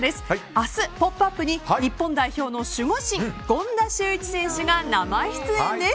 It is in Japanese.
明日、「ポップＵＰ！」に日本代表の守護神権田修一選手が生出演です。